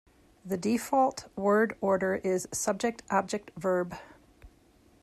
The default word order is subject-object-verb.